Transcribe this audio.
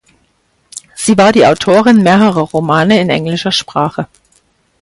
Sie war die Autorin mehrerer Romane in englischer Sprache.